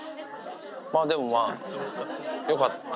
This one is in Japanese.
でもまあ、よかった。